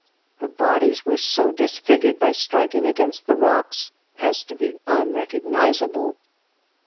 The bodies were so disfigured by striking against the rocks as to be unrecognizable.